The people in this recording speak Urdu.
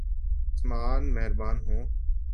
آسمان مہربان ہوں۔